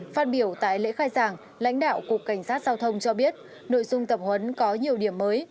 phát biểu tại lễ khai giảng lãnh đạo cục cảnh sát giao thông cho biết nội dung tập huấn có nhiều điểm mới